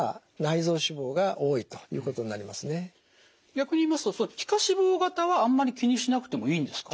逆に言いますと皮下脂肪型はあんまり気にしなくてもいいんですか？